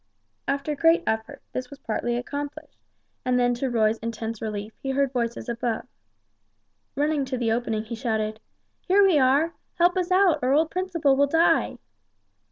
After great effort this was partly accomplished, and then to Roy's intense relief he heard voices above. Running to the opening he shouted: "Here we are! Help us out, or old Principle will die!"